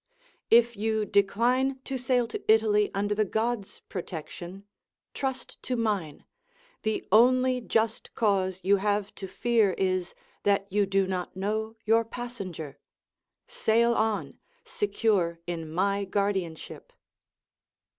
["If you decline to sail to Italy under the God's protection, trust to mine; the only just cause you have to fear is, that you do not know your passenger; sail on, secure in my guardianship."